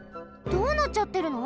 どうなっちゃってるの？